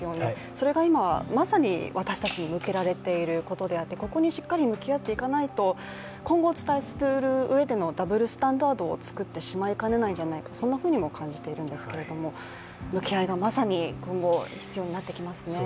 それがまさに今、私たちに向けられていることであってここにしっかり向き合っていかないと今後お伝えするうえでのダブルスタンダードを作ってしまいかねないんじゃないかと感じているんですけど向き合いがまさに今後、必要になってきますね。